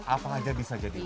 apa aja bisa jadi